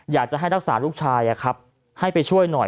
อยากจะให้รักษาลูกชายให้ไปช่วยหน่อย